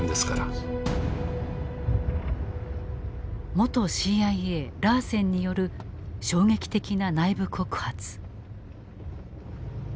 元ＣＩＡラーセンによる衝撃的な内部告発。